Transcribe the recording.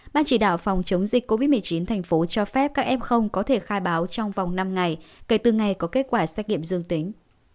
ban chỉ đạo phòng chống dịch covid một mươi chín thành phố cho phép các f có thể khai báo trong vòng năm ngày kể từ ngày có kết quả xét nghiệm dương tính